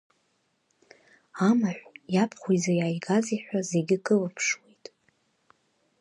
Амаҳә иабхәа изы иааигазеи ҳәа зегьы кылыԥшуеит.